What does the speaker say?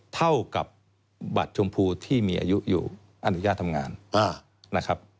เท่ากับบัตรชมพูที่มีอายุอยู่อนุญาตทำงานนะครับ